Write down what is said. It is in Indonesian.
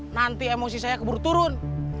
nanti emosi saya keburu turun